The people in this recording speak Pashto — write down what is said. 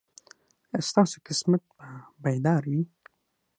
ایا ستاسو قسمت به بیدار وي؟